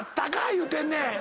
言うてんねん！